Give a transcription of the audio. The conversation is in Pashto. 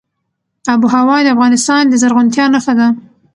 آب وهوا د افغانستان د زرغونتیا نښه ده.